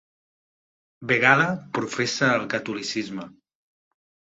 Begala professa el catolicisme.